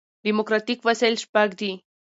ډیموکراټیک وسایل شپږ دي.